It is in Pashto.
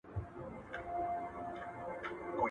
يو وار ئې زده که بيا ئې در کوزده که.